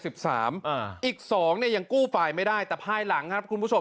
อีก๒เนี่ยยังกู้ไฟล์ไม่ได้แต่ภายหลังครับคุณผู้ชม